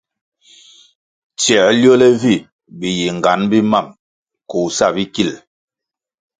Tsiē liole vi biyingan bi mam koh sa bikil.